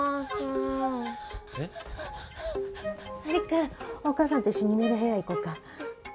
璃久お母さんと一緒に寝る部屋行こうか。